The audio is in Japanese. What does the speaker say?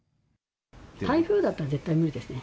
台風だったら絶対無理ですね。